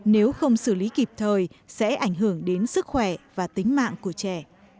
nếu không xử lý kịp thời sẽ ảnh hưởng đến sức khỏe và tính mạng của trẻ